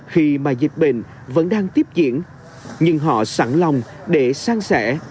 khi mà dịch bệnh vẫn đang tiếp diễn nhưng họ sẵn lòng để sang sẻ